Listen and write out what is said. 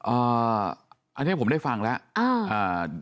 อันนี้ผมได้ฟังแล้ว